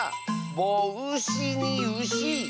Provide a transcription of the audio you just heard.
「ぼうし」に「うし」。